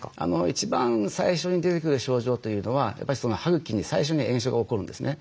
一番最初に出てくる症状というのはやっぱり歯茎に最初に炎症が起こるんですね。